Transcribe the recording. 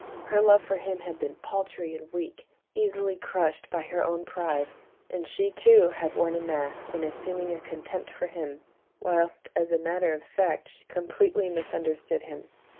Her love for him had been paltry and weak, easily crushed by her own pride; and she, too, had worn a mask in assuming a contempt for him, whilst, as a matter of fact, she completely misunderstood him.